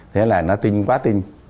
thế là nó tin quá tin